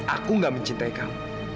aku gak mencintai kamu